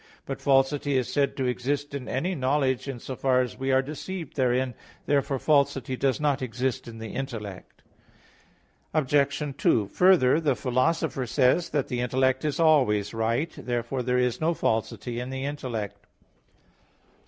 But falsity is said to exist in any knowledge in so far as we are deceived therein. Therefore falsity does not exist in the intellect. Obj. 2: Further, the Philosopher says (De Anima iii, 51) that the intellect is always right. Therefore there is no falsity in the intellect.